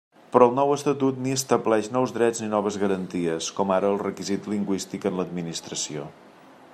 Però el nou Estatut ni estableix nous drets ni noves garanties, com ara el requisit lingüístic en l'Administració.